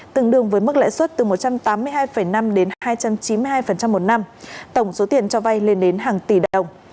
tương đương với mức lãi suất từ một trăm tám mươi hai năm đến hai trăm chín mươi hai một năm tổng số tiền cho vay lên đến hàng tỷ đồng